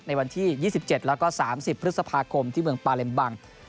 ในวันที่๒๗แล้วก็๓๐พฤษภาคมที่เมืองปาเลมบัง